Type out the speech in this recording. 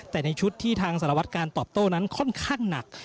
แต่ในชุดที่ทางสารวัตการตอบโต้นั้นค่อนข้างหนัก